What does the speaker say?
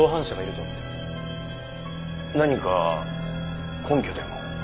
何か根拠でも？